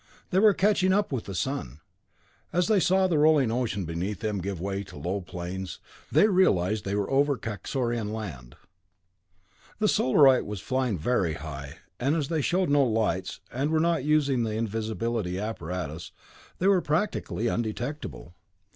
They were catching up with the sun. As they saw the rolling ocean beneath them give way to low plains, they realized they were over Kaxorian land. The Solarite was flying very high, and as they showed no lights, and were not using the invisibility apparatus, they were practically undetectable.